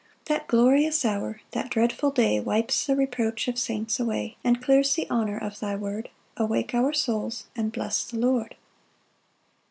4 That glorious hour, that dreadful day Wipes the reproach of saints away, And clears the honour of thy word; Awake our souls, and bless the Lord.